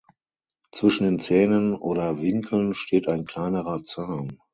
Zwischen den Zähnen oder Winkeln steht ein kleinerer Zahn.